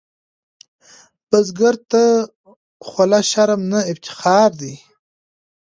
بزګر ته خوله شرم نه، افتخار دی